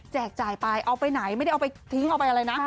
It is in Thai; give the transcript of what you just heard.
จ่ายไปเอาไปไหนไม่ได้เอาไปทิ้งเอาไปอะไรนะ